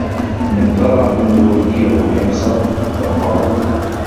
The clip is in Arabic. مَنْ تَرَى أَنْ نُوَلِّيَهُ حِمْصَ ؟ فَقَالَ